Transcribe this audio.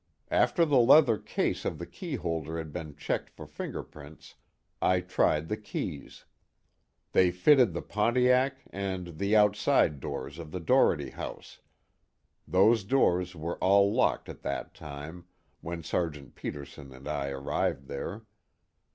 After the leather case of the key holder had been checked for fingerprints, I tried the keys. They fitted the Pontiac and the outside doors of the Doherty house those doors were all locked at that time, when Sergeant Peterson and I arrived there.